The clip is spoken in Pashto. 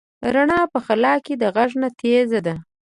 رڼا په خلا کې د غږ نه تېزه ده.